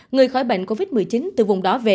người khỏi bệnh covid một mươi chín từ vùng đó về